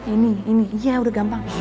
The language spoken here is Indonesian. ini ini iya udah gampang